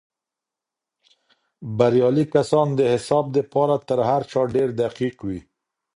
بريالي کسان د حساب دپاره تر هر چا ډېر دقیق وي.